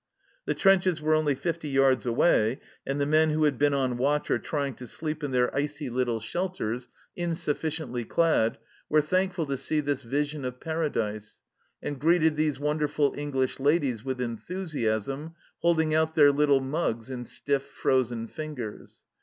The trenches were only fifty yards away, and the men who had been on watch or trying to sleep in their icy little THE CELLAR HOUSE 133 shelters, insufficiently clad, were thankful to see this vision of Paradise, and greeted these wonderful English ladies with enthusiasm, holding out their little mugs in stiff, frozen fingers.